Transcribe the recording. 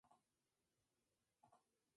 Original del escritor Carmelo Castro.